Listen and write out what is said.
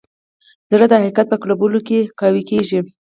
زړه د حقیقت په قبلولو قوي کېږي.